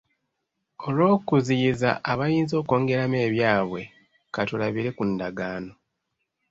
Olw’okuziyiza abayinza okwongeramu ebyabwe ka tulabire ku ndagaano.